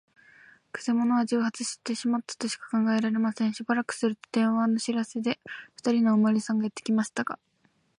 くせ者は蒸発してしまったとしか考えられません。しばらくすると、電話の知らせで、ふたりのおまわりさんがやってきましたが、